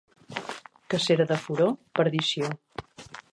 Cacera de furó, perdició.